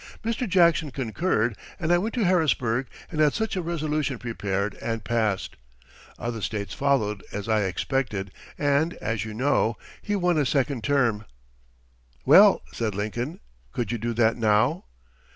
Mr. Jackson concurred and I went to Harrisburg, and had such a resolution prepared and passed. Other States followed as I expected and, as you know, he won a second term." "Well," said Lincoln, "could you do that now?"